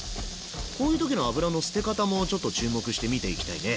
こういう時の脂の捨て方もちょっと注目して見ていきたいね。